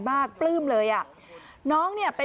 กลับบื้อไม่มีที่เอาเลย